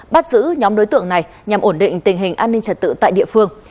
bắt giữ nhóm đối tượng này nhằm ổn định tình hình an ninh trật tự tại địa phương